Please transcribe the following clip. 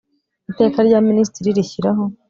iteka rya minisitiri rishyiraho